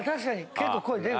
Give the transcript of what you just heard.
結構声出る。